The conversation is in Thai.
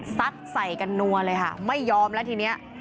ใส่กันนัวเลยค่ะไม่ยอมแล้วทีนี้